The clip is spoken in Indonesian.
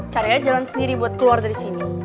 cari aja jalan sendiri buat keluar dari sini